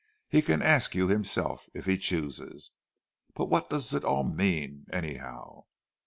"He can ask you himself, if he chooses. But what does it all mean, anyhow?"